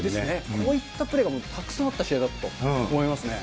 こういったプレーがたくさんあった試合だったと思いますね。